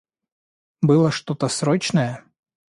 Было что-то срочное?